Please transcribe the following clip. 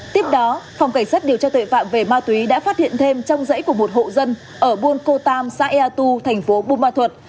tiếp đó phòng cảnh sát điều tra tuệ phạm về ma túy đã phát hiện thêm trong dãy của một hộ dân ở buôn cô tam xã ea tu thành phố bù ma thuật